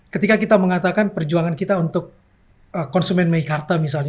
ketika kita mengatakan perjuangan kita untuk konsumen meikarta misalnya